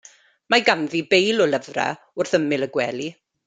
Mae ganddi beil o lyfra wrth ymyl y gwely.